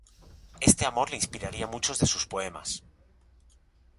Este amor le inspiraría muchos de sus poemas.